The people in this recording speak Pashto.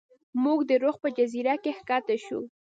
موږ د رخ په جزیره کې ښکته شو.